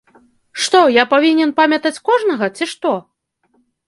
Што, я павінен памятаць кожнага, ці што?